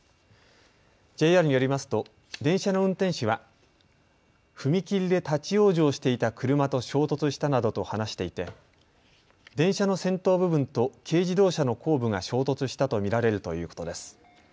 ＪＲによりますと電車の運転士は踏切で立往生していた車と衝突したなどと話していて電車の先頭部分と軽自動車の後部が衝突したと見られるということです。